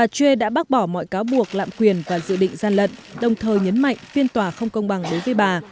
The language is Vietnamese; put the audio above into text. tre đã bác bỏ mọi cáo buộc lạm quyền và dự định gian lận đồng thời nhấn mạnh phiên tòa không công bằng đối với bà